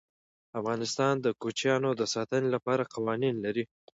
افغانستان د کوچیانو د ساتنې لپاره قوانین لري.